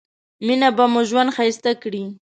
مينه به مو ژوند ښايسته کړي